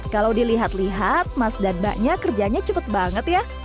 kalau dilihat lihat mas dan mbaknya kerjanya cepet banget ya